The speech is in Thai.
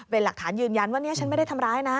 เป็นหลักฐานยืนยันว่านี่ฉันไม่ได้ทำร้ายนะ